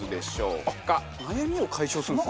悩みを解消するんですか？